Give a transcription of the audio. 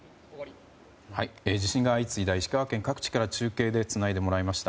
地震が相次いだ石川県各地から中継で伝えてもらいました。